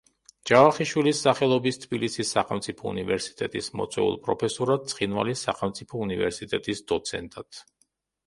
ჯავახიშვილის სახელობის თბილისის სახელმწიფო უნივერსიტეტის მოწვეულ პროფესორად, ცხინვალის სახელმწიფო უნივერსიტეტის დოცენტად.